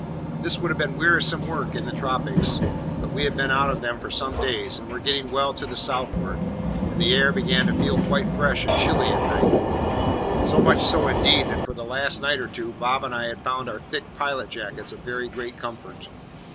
This would have been wearisome work in the tropics; but we had been out of them for some days, and were getting well to the southward, and the air began to feel quite fresh and chilly at night; so much so, indeed, that for the last night or two Bob and I had found our thick pilot jackets a very great comfort.